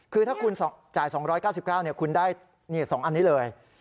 คือถ้าคุณจ่าย๒๙๙คุณได้๒อันนี้เลย